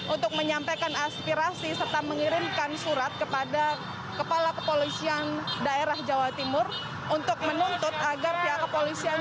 untuk menyampaikan aspirasi serta mengirimkan surat kepada kepala kepolisian daerah jawa timur untuk menuntut agar pihak kepolisian